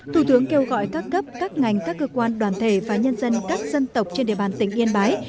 thủ tướng kêu gọi các cấp các ngành các cơ quan đoàn thể và nhân dân các dân tộc trên địa bàn tỉnh yên bái